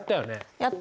やったね。